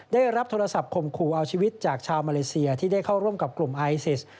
ได้รับโทรศัพท์ข่มขู่เอาชีวิตจากชาวมาเลเซียที่ได้เข้าร่วมกับกลุ่มไอซิส